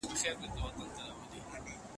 ښوونکي زموږ پاڼه وړاندي کړې وه.